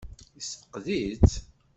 Yessefqed-itt?